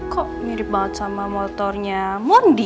kok mirip banget sama motornya mondi